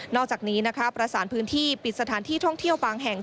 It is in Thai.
อกจากนี้นะคะประสานพื้นที่ปิดสถานที่ท่องเที่ยวบางแห่ง